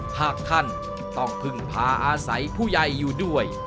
หากท่านต้องพึ่งพาอาศัยผู้ใหญ่อยู่ด้วย